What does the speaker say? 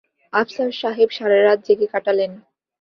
আফসার সাহেব সারারাত জেগে কাটালেন।